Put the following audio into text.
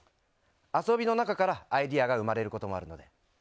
遊びの中からアイデアが生まれることもあるので。